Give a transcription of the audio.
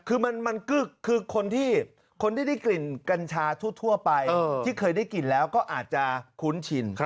คือมันก็คือคนที่ได้กลิ่นกัญชาทั่วไปที่เคยได้กลิ่นแล้วก็อาจจะคุ้นชิน